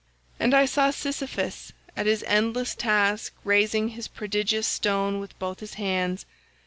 "And I saw Sisyphus at his endless task raising his prodigious stone with both his hands.